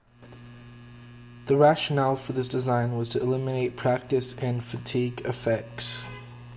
The rationale for this design was to eliminate practice and fatigue effects.